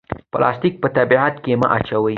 پلاستیک په طبیعت کې مه اچوئ